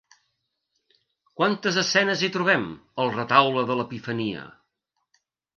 Quantes escenes hi trobem a El Retaule de l'Epifania?